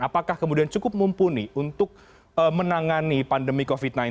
apakah kemudian cukup mumpuni untuk menangani pandemi covid sembilan belas